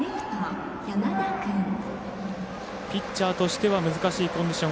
ピッチャーとしては難しいコンディション。